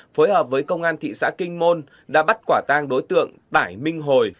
phối hợp với công an thị xã kinh môn đã bắt quả tang đối tượng tải minh hồi